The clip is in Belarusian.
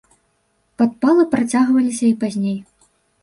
Падпалы працягваліся і пазней.